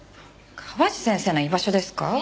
河内先生の居場所ですか？